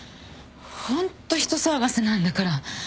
ホンット人騒がせなんだから。